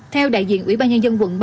theo đại diện ủy ba nhân dân quận ba